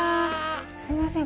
すいません